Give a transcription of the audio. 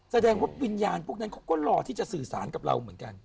แสดงว่าวิญญาณพวกนั้นเขาก็รอที่จะสื่อสารกับเราเหมือนกัน